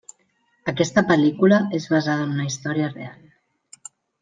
Aquesta pel·lícula és basada en una història real.